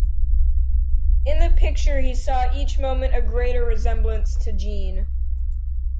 In the picture he saw each moment a greater resemblance to Jeanne.